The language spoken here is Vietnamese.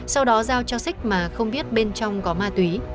sau đó giao cho sik mà không biết bên trong có ma tuy